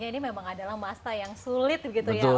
ini memang adalah masa yang sulit gitu ya